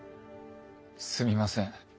すみません。